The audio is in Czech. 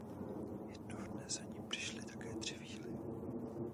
Jednoho dne za ním přišly také tři víly.